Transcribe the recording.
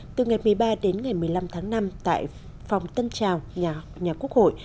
từ ngày một mươi ba đến ngày một mươi năm tháng năm tại phòng tân trào nhà quốc hội